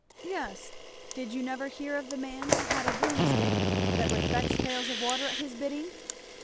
"Yes, did you never hear of the man who had a broomstick that would fetch pails of water at his bidding?"